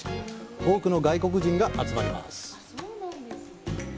多くの外国人が集まります。